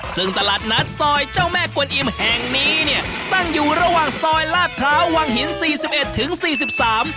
ซึ่งตลาดนัดซอยเจ้าแม่กวนอิ่มแห่งนี้เนี่ยตั้งอยู่ระหว่างซอยลาดพร้าววังหินสี่สิบเอ็ดถึงสี่สิบสาม